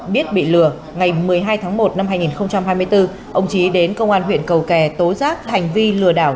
biết bị lừa ngày một mươi hai tháng một năm hai nghìn hai mươi bốn ông trí đến công an huyện cầu kè tố giác hành vi lừa đảo